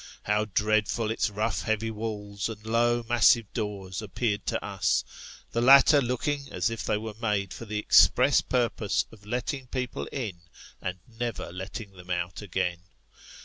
How dreadful its rough heavy walls, and low massive doors, appeared to us the latter looking as if they were made for the express purpose of letting people in, and never letting them out again.